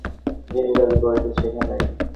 পৃথিবীতে সৌরভী কোনো দুর্লভ জিনিস দাবি করিতে শেখে নাই।